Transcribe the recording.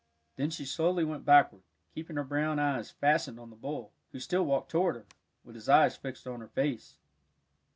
Then she slowly went backward, keeping her brown eyes fastened on the bull, who still walked toward her, with his eyes fixed on her face.